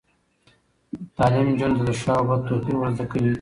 تعلیم نجونو ته د ښه او بد توپیر ور زده کوي.